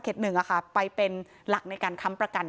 ๑ไปเป็นหลักในการค้ำประกัน